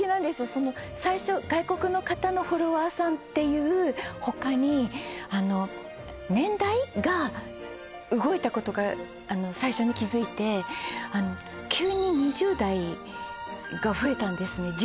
その最初外国の方のフォロワーさんっていう他に年代が動いたことが最初に気づいて急に２０代が増えたんですね